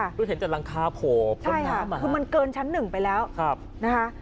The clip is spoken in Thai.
รู้สึกเห็นจากหลังคาโผล่พ่นน้ำคือมันเกินชั้นหนึ่งไปแล้วนะคะ